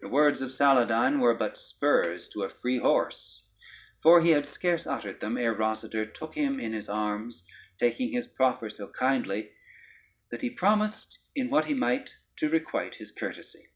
[Footnote 1: stedfast.] The words of Saladyne were but spurs to a free horse, for he had scarce uttered them, ere Rosader took him in his arms, taking his proffer so kindly, that he promised in what he might to requite his courtesy.